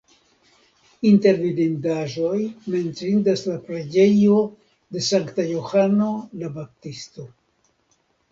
Inter vidindaĵoj menciindas la preĝejo de Sankta Johano la Baptisto.